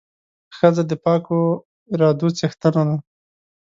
ښځه د پاکو ارادو څښتنه ده.